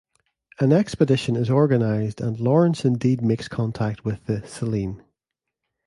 An expedition is organised and Lawrence indeed makes contact with the "Selene".